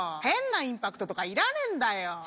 変なインパクトとか要らねえんだよ！